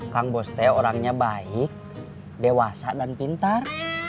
kang bos teh orangnya baik dewasa dan pintar